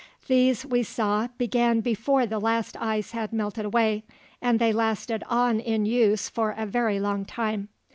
These, we saw, began before the last ice had melted away, and they lasted on in use for a very long time.